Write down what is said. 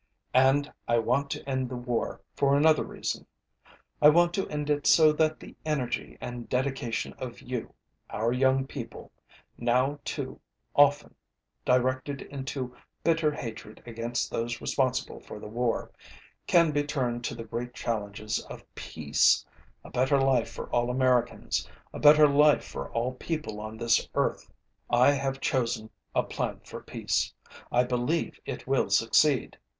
And I want to end the war for another reason. I want to end it so that the energy and dedication of you, our young people, now too often directed into bitter hatred against those responsible for the war, can be turned to the great challenges of peace, a better life for all Americans, a better life for all people on this earth. I have chosen a plan for peace. I believe it will succeed.